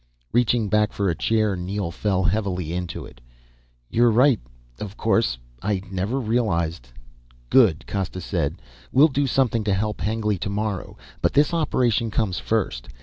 Reaching back for a chair, Neel fell heavily into it. "You're right ... of course! I never realized." "Good," Costa said. "We'll do something to help Hengly tomorrow, but this operation comes first.